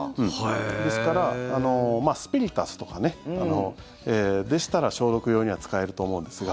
ですからスピリタスとかでしたら消毒用には使えると思うんですが